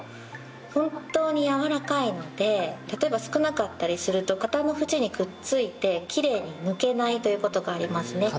本当にやわらかいので例えば少なかったりすると型の縁にくっついてきれいに抜けないという事がありますね。